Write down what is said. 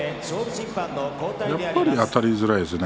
やっぱり、あたりづらいですね。